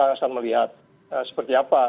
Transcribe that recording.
akan melihat seperti apa